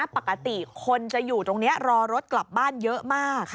ปกติคนจะอยู่ตรงนี้รอรถกลับบ้านเยอะมาก